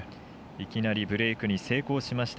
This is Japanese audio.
いきなりブレークに成功しました。